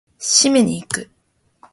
締めに行く！